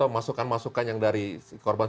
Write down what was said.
masukan masukan yang dari korban